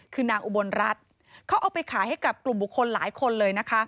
คือนางอุบลรัฐเขาเอาไปขายให้กับกลุ่มบุคคลหลายคนเลยนะคะ